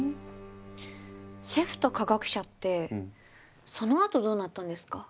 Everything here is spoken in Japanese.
シェフと科学者ってそのあとどうなったんですか？